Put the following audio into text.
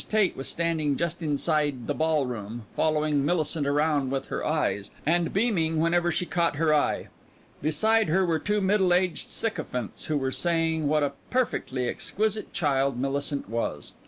Tate was standing just inside the ballroom, following Millicent round with her eyes, and beaming whenever she caught her eye. Beside her were two middle aged sycophants, who were saying what a perfectly exquisite child Millicent was.